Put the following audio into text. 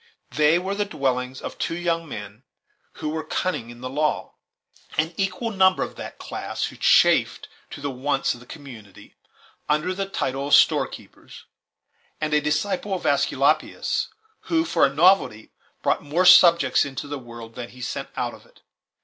They were the dwellings of two young men who were cunning in the law; an equal number of that class who chaffered to the wants of the community under the title of storekeepers; and a disciple of Aesculapius, who, for a novelty, brought more subjects into the world than he sent out of it.